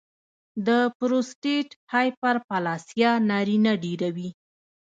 د پروسټیټ هایپرپلاسیا نارینه ډېروي.